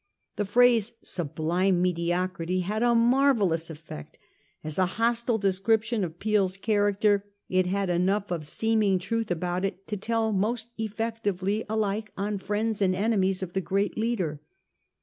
The phrase ' sublime me diocrity ' had a marvellous effect. As a hostile de scription of Peel's character it had enough of seeming truth about it to tell most effectively alike on friends and enemies of the great leader.